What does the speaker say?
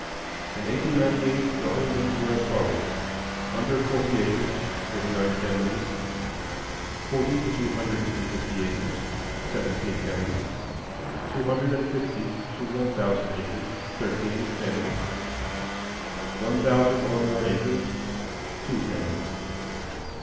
In 1898 the holdings were as follows: Under forty acres, forty nine families; forty to two hundred and fifty acres, seventeen families; two hundred and fifty to one thousand acres, thirteen families; one thousand or more acres, two families.